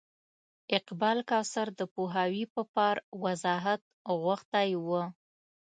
اقبال کوثر د پوهاوي په پار وضاحت غوښتی و.